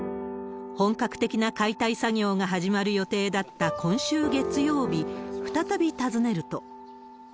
本格的な解体作業が始まる予定だった今週月曜日、再び訪ねると。